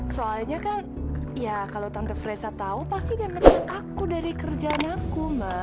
soalnya kan ya kalau tante fresa tau pasti dia mencet aku dari kerjaan aku ma